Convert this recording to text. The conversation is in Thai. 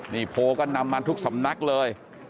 นี่โพลก็นำมาทุกสำนักเลย